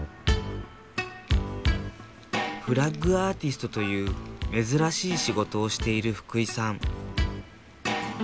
フラッグアーティストという珍しい仕事をしている福井さん。